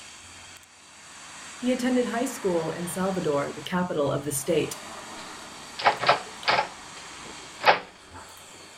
He attended high school in Salvador, the capital of the state.